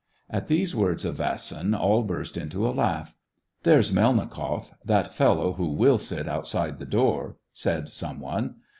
At these words of Vasin, all burst into a laugh. "There's Melnikoff, that fellow who will sit outside the door," said some one.